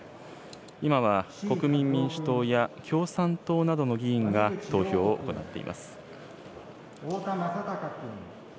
今は国民民主党や、共産党などの議員が投票を行っています。